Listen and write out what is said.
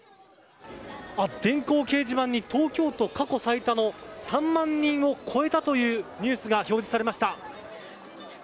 電光掲示板に東京都、過去最多の３万人を超えたというニュースが表示されました。